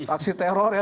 aksi teror ya